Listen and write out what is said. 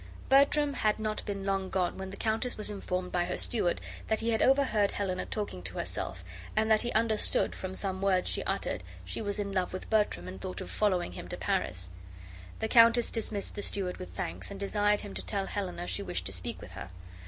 Bertram had not been long gone when the countess was informed by her steward that he had overheard Helena talking to herself, and that he understood, from some words she uttered, she was in love with Bertram and thought of following him to Paris. The countess dismissed the steward with thanks, and desired him to tell Helena she wished to speak with her.